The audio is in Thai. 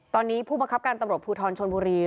ตอนนี้ผู้บังคับการตำรวจภูทรชนบุรี